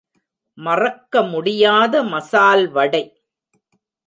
மறக்கமுடியாத மசால் வடை.